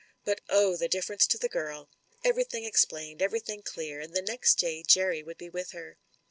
But, oh! the difference to the girl Everything explained, every thing clear, and the next day Jerry would be with her.